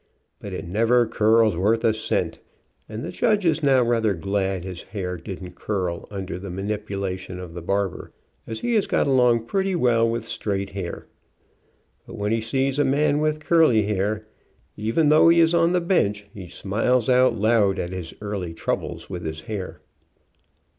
But it never curled worth a cent, and the judge is now rather glad his hair didn't curl under the manipulation of the barber, as he has got along pretty well with straight hair. But when he sees a man with" curly hair, even though he is on the bench, he smiles out loud at his early troubles with his hair.